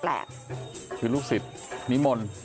แหละคือลูกศิษย์นิมนต์